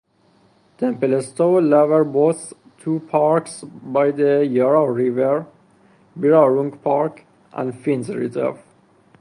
Templestowe Lower boasts two parks by the Yarra River, Birrarung Park and Finns Reserve.